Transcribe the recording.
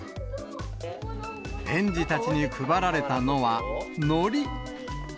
園児たちに配られたのはのり。